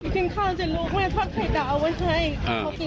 กินข้าวสิลูกแม่ทอดไข่ดาวไว้ให้